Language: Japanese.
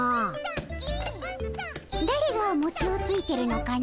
だれがもちをついてるのかの？